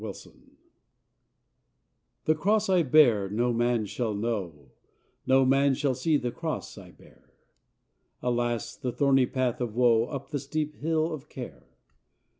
THE CROSS The cross I bear no man shall know No man shall see the cross I bear! Alas! the thorny path of woe Up the steep hill of care!